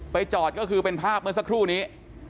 จอดก็คือเป็นภาพเมื่อสักครู่นี้